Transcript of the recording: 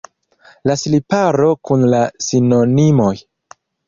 La sliparo kun la sinonimoj.